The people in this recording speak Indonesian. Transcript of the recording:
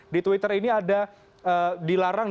di twitter ini ada dilarang